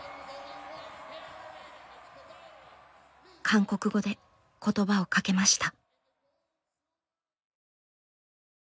韓国語で言葉をかけました。